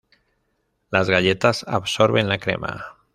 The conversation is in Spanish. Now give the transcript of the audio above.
Las galletas absorben la crema.